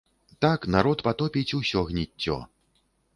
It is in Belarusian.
Так народ патопіць усё гніццё.